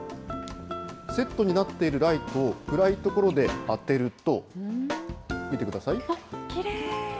セットになっているライトを暗い所で当てると。